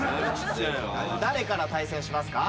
誰から対戦しますか？